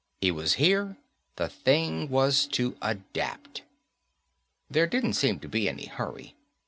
He was here. The thing was to adapt. There didn't seem to be any hurry.